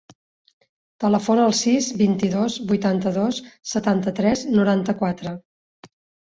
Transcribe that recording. Telefona al sis, vint-i-dos, vuitanta-dos, setanta-tres, noranta-quatre.